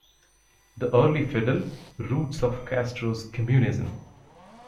"The Early Fidel: Roots of Castro's Communism".